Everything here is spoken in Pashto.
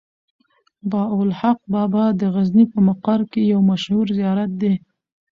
بهاوالحق بابا د غزني په مقر کې يو مشهور زيارت دی.